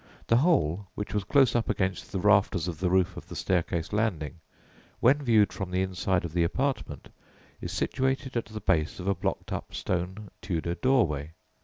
The hole, which was close up against the rafters of the roof of the staircase landing, when viewed from the inside of the apartment, is situated at the base of a blocked up stone Tudor doorway.